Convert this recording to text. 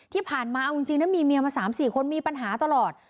ที่ผ่านมาเอาจริงจริงนะมีเมียมาสามสี่คนมีปัญหาตลอด